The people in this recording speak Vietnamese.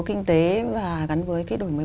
kinh tế và gắn với cái đổi mới